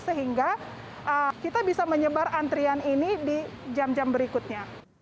sehingga kita bisa menyebar antrian ini di jam jam berikutnya